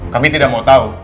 kami tidak mau tau